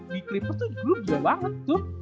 di clippers tuh grup juga banget tuh